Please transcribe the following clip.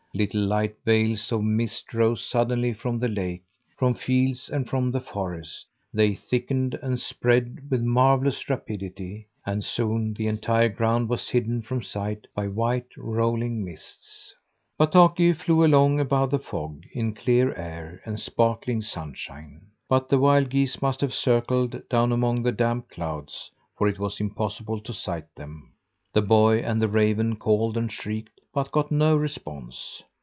Little light veils of mist rose suddenly from the lake, from fields, and from the forest. They thickened and spread with marvellous rapidity, and soon the entire ground was hidden from sight by white, rolling mists. Bataki flew along above the fog in clear air and sparkling sunshine, but the wild geese must have circled down among the damp clouds, for it was impossible to sight them. The boy and the raven called and shrieked, but got no response.